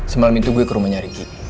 semalam itu gue ke rumahnya rigid